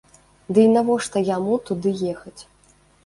Дый навошта яму туды ехаць?